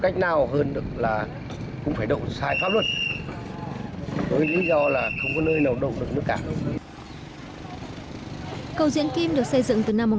cầu diễn kim được xây dựng từ năm một nghìn chín trăm chín mươi bảy